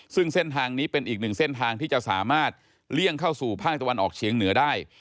ซึ่งเส้นทางนี้เป็นอีกหนึ่งเส้นทางที่จะสามารถเลี่ยงเข้าสู่ภาคตะวันออกเฉียงเหนือได้